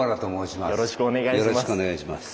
よろしくお願いします。